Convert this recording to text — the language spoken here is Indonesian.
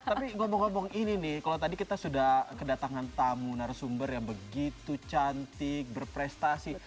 tapi ngomong ngomong ini nih kalau tadi kita sudah kedatangan tamu narasumber yang begitu cantik berprestasi